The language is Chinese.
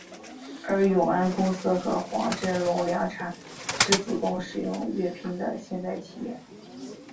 而永安公司和黄振龙凉茶是主动使用粤拼的现代企业。